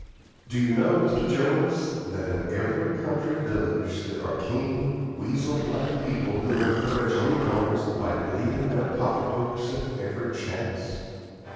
Do you know, Mr. Jones, that in every country village there are keen, weasel like people who encourage new comers by bleeding their pocket books at every chance?